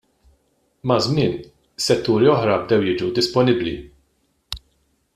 Maż-żmien, setturi oħra bdew jiġu disponibbli.